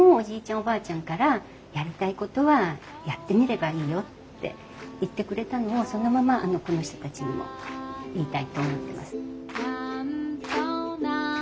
おばあちゃんからやりたいことはやってみればいいよって言ってくれたのをそのままこの人たちにも言いたいと思ってます。